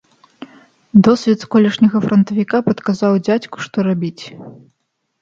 Досвед колішняга франтавіка падказаў дзядзьку, што рабіць.